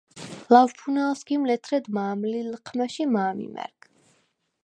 ლავფუნალ სგიმ ლეთრედ მა̄მ ლი ლჷჴმა̈შ ი მა̄მ იმა̈რგ.